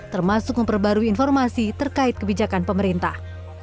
termasuk memperbarui informasi terkait kebijakan pemerintah